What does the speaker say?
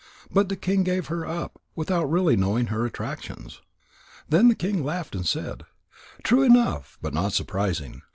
But the king gave her up without really knowing her attractions." Then the king laughed and said: "True enough, but not surprising.